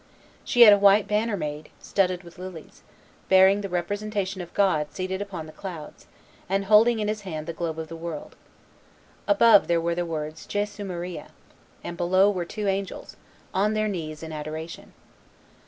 She had a white banner made, studded with lilies, bearing the representation of God seated upon the clouds, and holding in His hand the globe of the world. Above were the words "Jesu Maria," and below were two angels, on their knees in adoration.